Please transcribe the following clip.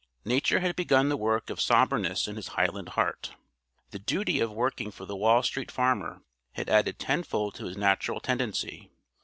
Nature had begun the work of somberness in his Highland heart. The duty of working for the Wall Street Farmer had added tenfold to the natural tendency.